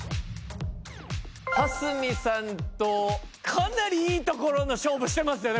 蓮見さんとかなり良いところの勝負してますよね。